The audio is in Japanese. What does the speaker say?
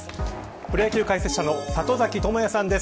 プロ野球解説者の里崎智也さんです。